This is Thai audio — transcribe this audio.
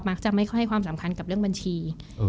จะไม่ค่อยให้ความสำคัญกับเรื่องบัญชี